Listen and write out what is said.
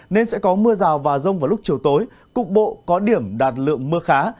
nên sẽ có mưa rào và rông vào lúc chiều tối cục bộ có điểm đạt lượng mưa khá